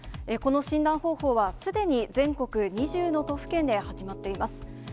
この診断方法は、すでに全国２０の都府県で始まっています。